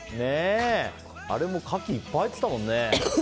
あれもカキいっぱい入ってたもんね。